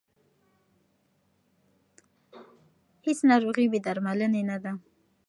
هیڅ ناروغي بې درملنې نه ده.